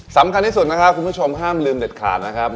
สำคัญที่สุดนะครับคุณผู้ชมห้ามลืมเด็ดขาดนะครับ